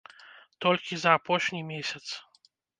Толькі за апошні месяц.